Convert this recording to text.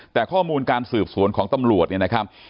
แต่ข้อมูลการสืบสวนของตำรวจเนี่ยนะครับ